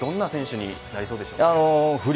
どんな選手になりそうですか。